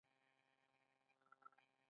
خلافت په مقابل کې کمزوری دی.